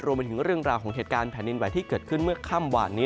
ไปถึงเรื่องราวของเหตุการณ์แผ่นดินไหวที่เกิดขึ้นเมื่อค่ำหวานนี้